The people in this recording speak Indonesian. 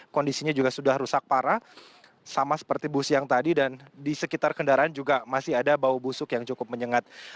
kondisinya juga sudah rusak parah sama seperti bus yang tadi dan di sekitar kendaraan juga masih ada bau busuk yang cukup menyengat